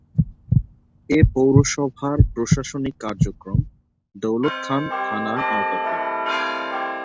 এ পৌরসভার প্রশাসনিক কার্যক্রম দৌলতখান থানার আওতাধীন।